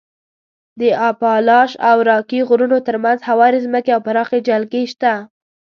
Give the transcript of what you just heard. د اپالاش او راکي غرونو تر منځ هوارې ځمکې او پراخې جلګې شته.